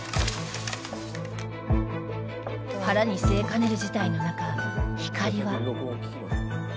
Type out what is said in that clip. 腹に据えかねる事態の中ひかりは